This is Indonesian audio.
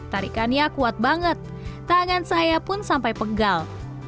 tarikannya kuat banget tangan saya pun sampai pegal